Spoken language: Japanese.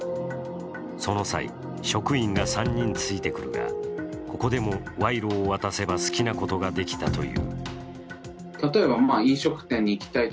その際、職員が３人ついてくるのがここでも賄賂を渡せば好きなことができたという。